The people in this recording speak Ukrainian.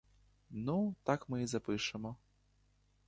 Ну, так ми й запишемо.